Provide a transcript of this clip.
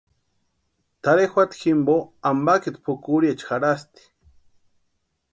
Tʼarhe juata jimpo ampakiti pʼukuriecha jarhasti.